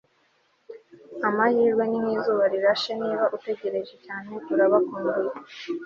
amahirwe ni nkizuba rirashe. niba utegereje cyane, urabakumbuye